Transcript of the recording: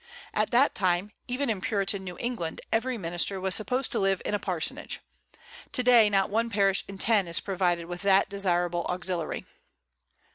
At that time, even in Puritan New England, every minister was supposed to live in a parsonage. To day, not one parish in ten is provided with that desirable auxiliary.